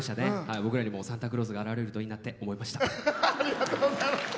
僕らにもサンタクロースが現れるといいなって思いました。